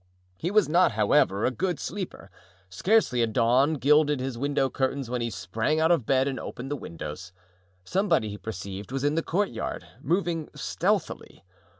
He was not, however, a good sleeper. Scarcely had dawn gilded his window curtains when he sprang out of bed and opened the windows. Somebody, he perceived, was in the courtyard, moving stealthily.